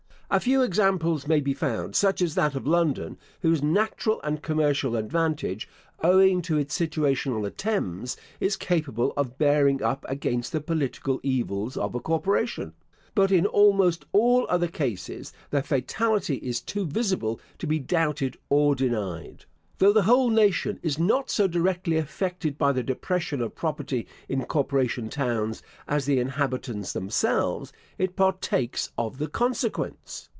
A few examples may be found, such as that of London, whose natural and commercial advantage, owing to its situation on the Thames, is capable of bearing up against the political evils of a corporation; but in almost all other cases the fatality is too visible to be doubted or denied. Though the whole nation is not so directly affected by the depression of property in corporation towns as the inhabitants themselves, it partakes of the consequence.